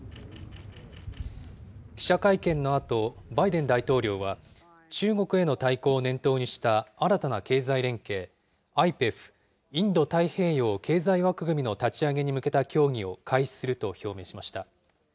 記者会見のあと、バイデン大統領は、中国への対抗を念頭にした新たな経済連携、ＩＰＥＦ・インド太平洋経済枠組みの立ち上げに向けた協議を開始すると表明しました。